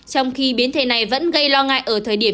trong khi biến thể này vẫn gây lo ngại ở thời điểm